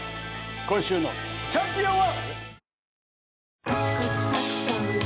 今週のチャンピオンは！